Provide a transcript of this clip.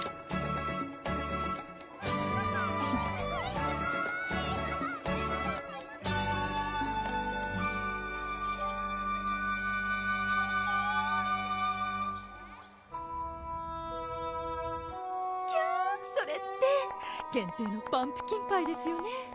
ピピ「きゃそれって限定のパンプキンパイですよね？」